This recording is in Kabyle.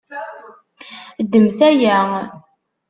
Ddmet aya.